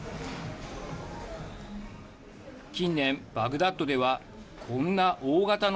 近年、バグダッドではこんな大型の